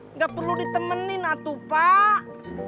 nggak perlu ditemenin natu pak